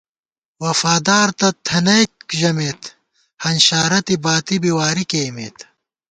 وفادار تہ تھنَئیک ژَمېت، ہنشارَتےباتی بی واری کېئیمت